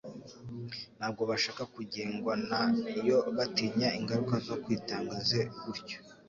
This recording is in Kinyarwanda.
Ntabwo bashaka kugengwa na yo batinya ingaruka zo kwitanga ze gutyo.